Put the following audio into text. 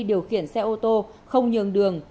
điều khiển xe ô tô không nhường đường